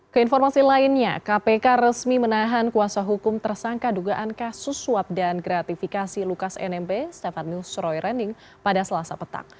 keinformasi lainnya kpk resmi menahan kuasa hukum tersangka dugaan kasus swab dan gratifikasi lukas nmb stefanus roy rening pada selasa petang